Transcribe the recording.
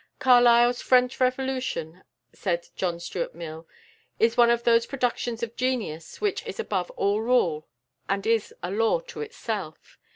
"Carlyle's 'French Revolution,'" said John Stuart Mill, "is one of those productions of genius which is above all rule, and is a law to itself."